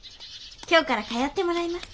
今日から通ってもらいます。